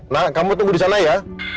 nah kamu tunggu di sana ya